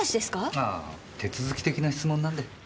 あぁ手続き的な質問なんで。